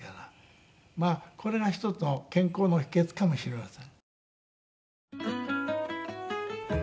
まあこれが一つの健康の秘訣かもしれません。